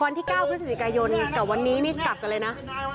อุ้นี่เหตุการณ์วันที่๙พฤษศิกายนแต่วันนี้กลับกันเลยนะ